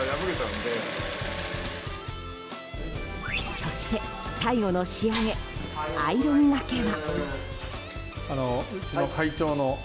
そして、最後の仕上げアイロンがけは。